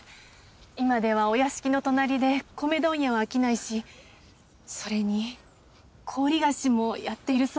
今ではお屋敷の隣で米問屋を商いしそれに高利貸しもやっているそうなんです。